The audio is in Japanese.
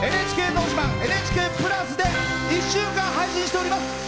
「ＮＨＫのど自慢」「ＮＨＫプラス」で１週間配信しております。